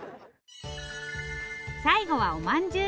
最後はおまんじゅう。